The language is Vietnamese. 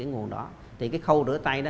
cái nguồn đó thì cái khâu rửa tay đó